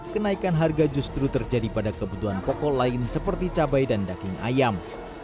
kenaikan harga justru terjadi pada kebutuhan pokok lain seperti cabai dan daging ayam